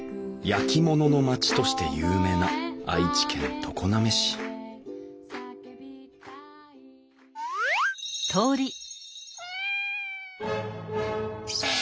焼き物の町として有名な愛知県常滑市すごい。